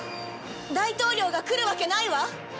「大統領が来るわけないわ！」